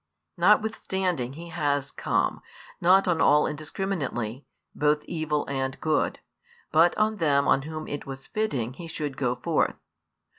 Notwithstanding He has come, not on all indiscriminately, both evil and good, but on them on whom it was fitting He should go forth.